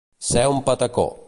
Ser un patacó.